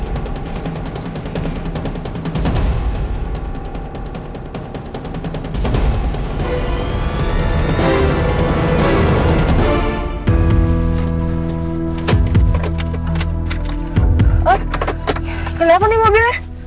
oh kenapa nih mobilnya